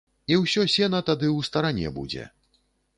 І ўсё сена тады ў старане будзе.